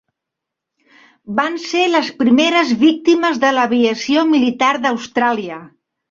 Van ser les primeres víctimes de l'aviació militar d'Austràlia.